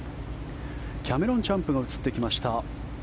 キャメロン・チャンプが映ってきました。